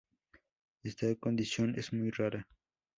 Esta condición es muy rara.